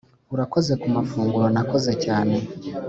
urakoze kumafunguro nakunze cyane